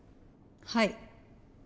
はい。